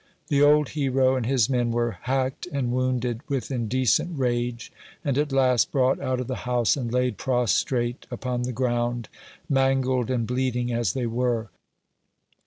The old hero and his men were hacked and wounded with indecent rage, and at last brought out of the house and laid prostrate upon the ground, mangled and bleeding as they were.